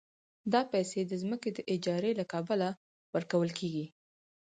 دا پیسې د ځمکې د اجارې له کبله ورکول کېږي